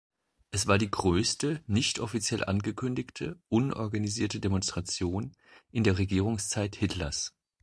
Es war die größte nicht offiziell angekündigte, unorganisierte Demonstration in der Regierungszeit Hitlers.